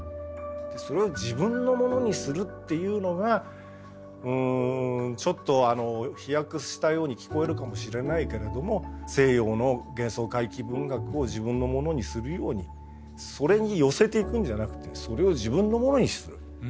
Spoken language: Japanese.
それを自分のものにするっていうのがうんちょっと飛躍したように聞こえるかもしれないけれども西洋の幻想怪奇文学を自分のものにするようにそれに寄せていくんじゃなくてそれを自分のものにする。